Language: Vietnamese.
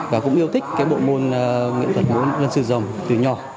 và cũng yêu thích cái bộ môn nghệ thuật múa lân sư rồng từ nhỏ